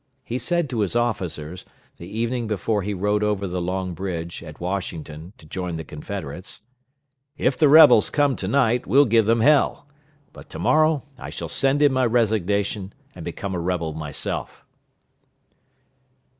He said to his officers, the evening before he rode over the Long Bridge, at Washington, to join the Confederates, "If the rebels come to night, we'll give them hell; but to morrow I shall send in my resignation, and become a rebel myself."